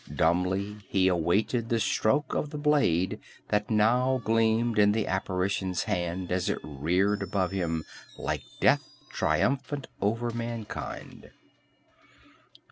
Dumbly he awaited the stroke of the blade that now gleamed in the apparition's hand as it reared above him like Death triumphant over mankind.